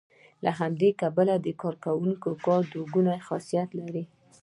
له همدې کبله د کارکوونکو کار دوه ګونی خصلت لري